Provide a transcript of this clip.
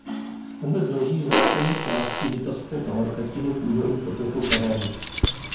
Obec leží v západní části Žitavské pahorkatiny v údolí potoku Kadaň.